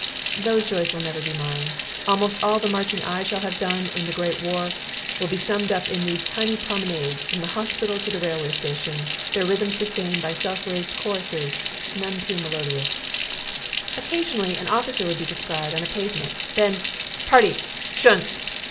Those joys will never be mine. Almost all the marching I shall have done in the great war will be summed up in these tiny promenades from the hospital to the railway station, their rhythm sustained by self raised choruses, none too melodious. Occasionally an officer would be descried, on the pavement. Then "Party, 'shun!"